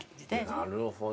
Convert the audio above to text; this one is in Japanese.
なるほど。